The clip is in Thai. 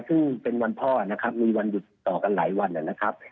ซึ่งเป็นวันพ่อนะครับมีวันหยุดต่อกันหลายวันนะครับ